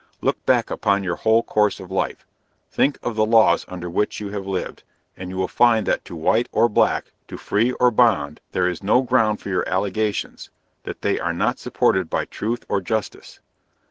Look back upon your whole course of life; think of the laws under which you have lived, and you will find that to white or black, to free or bond, there is no ground for your allegations; that they are not supported by truth or justice.